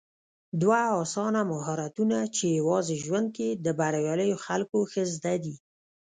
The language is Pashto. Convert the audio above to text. دوه اسانه مهارتونه چې يوازې ژوند کې د برياليو خلکو ښه زده دي